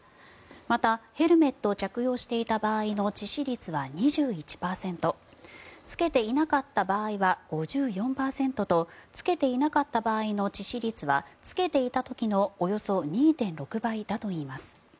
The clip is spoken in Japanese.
またヘルメットを着用していた場合の致死率は２１％着けていなかった場合は５４％と着けていなかった場合の致死率は着けていた時のおよそ２．６倍だといいます。